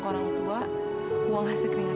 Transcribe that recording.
ke orang tua uang hasil ringan